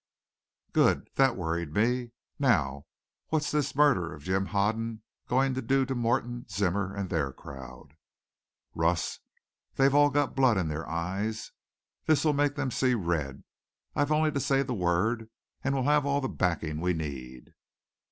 "Good. That worried me. Now, what's this murder of Jim Hoden going to do to Morton, Zimmer, and their crowd?" "Russ, they've all got blood in their eyes. This'll make them see red. I've only to say the word and we'll have all the backing we need."